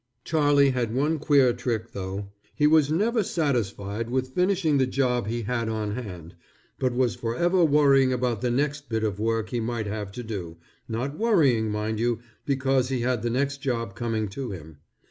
Charlie had one queer trick, though, he was never satisfied with finishing the job he had on hand, but was forever worrying about the next bit of work he might have to do, not worrying mind you, because he had the next job coming to him.